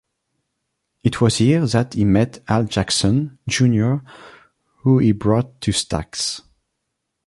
It was here that he met Al Jackson, Junior who he brought to Stax.